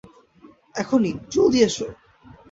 এখনই, জলদি এসো।